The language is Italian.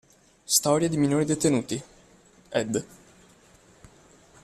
Storie di minori detenuti", Ed.